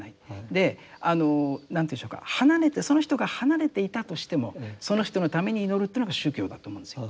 であの何ていうんでしょうかその人が離れていたとしてもその人のために祈るというのが宗教だと思うんですよ。